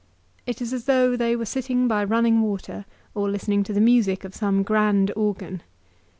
It is as though they were sitting by running water, or listening to the music of some grand organ.